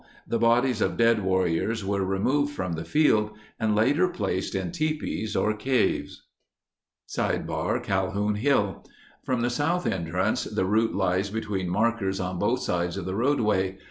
The bod ies of dead warriors were re moved from the field and later placed in tipis or caves. © Calhoun Hill From the south entrance the route lies between markers on both sides of the roadway.